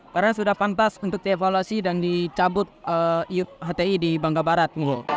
karena sudah pantas untuk dievaluasi dan dicabut iup hti di bangka barat